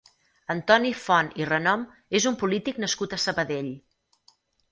Antoni Font i Renom és un polític nascut a Sabadell.